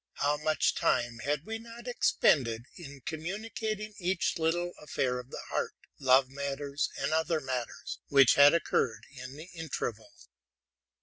How much time we had expended in communicating each little affair of the heart, love matters, and other matters, which had occurred in the interval!